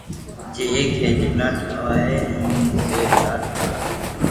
جي ايڪ ھي جملا ٺاوا اي مون ٻو ھزار جملا